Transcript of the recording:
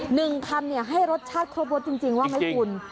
หนึ่งคำให้รสชาติโครบรถจริงว่าไหมคุณ